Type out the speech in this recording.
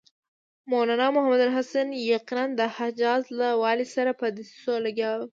مولنا محمودالحسن یقیناً د حجاز له والي سره په دسیسو لګیا و.